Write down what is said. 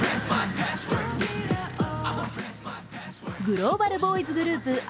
グローバルボーイズグループ